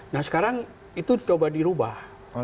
nah sekarang itu coba dirubah